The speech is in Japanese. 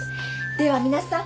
では皆さん。